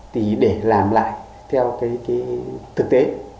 thì để làm lại theo thực tế